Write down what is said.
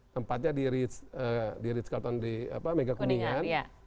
tempatnya di ritz carlton di mega kuningan